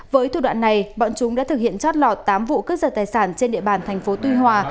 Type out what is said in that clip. với thủ đoạn này bọn chúng đã thực hiện chót lọt tám vụ cấp giật tài sản trên địa bàn tp tuy hòa